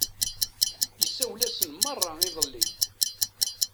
Isawel-asen meṛṛa iḍelli.